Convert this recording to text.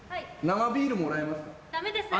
生ビールもらえますか？